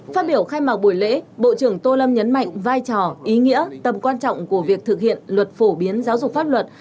phát biểu khai mạc buổi lễ bộ trưởng tô lâm nhấn mạnh vai trò ý nghĩa tầm quan trọng của việc thực hiện luật phổ biến giáo dục pháp luật